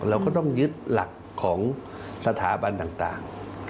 เราก็ต้องยึดหลักของสถาบันต่าง